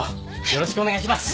よろしくお願いします。